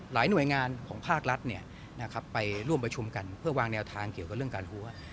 หน่วยงานของภาครัฐไปร่วมประชุมกันเพื่อวางแนวทางเกี่ยวกับเรื่องการหัว